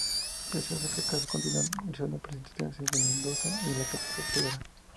Pese a este fracaso continuaron realizando presentaciones en Mendoza y en la Capital Federal.